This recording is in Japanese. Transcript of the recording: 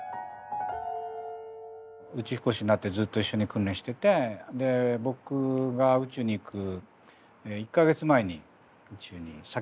宇宙飛行士になってずっと一緒に訓練しててで僕が宇宙に行く１か月前に宇宙に先に旅立って。